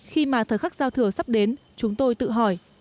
khi mà thời khắc giao thừa sắp đến chúng tôi tự hỏi